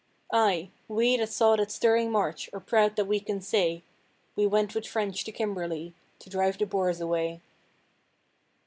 Ay! we that saw that stirring march are proud that we can say We went with French to Kimberley to drive the Boers away.